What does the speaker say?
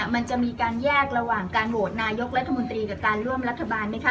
มันจะมีการแยกระหว่างการโหวตนายกรัฐมนตรีกับการร่วมรัฐบาลไหมคะ